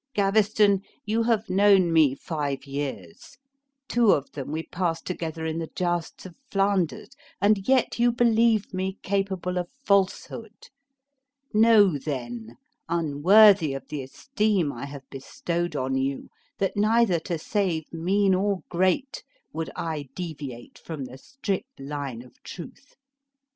Gaveston, you have known me five years; two of them we passed together in the jousts of Flanders, and yet you believe me capable of falsehood! Know then, unworthy of the esteem I have bestowed on you, that neither to save mean or great, would I deviate from the strict line of truth.